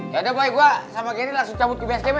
yaudah boy gua sama geri langsung cabut ke basecamp ya